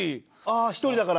１人だから。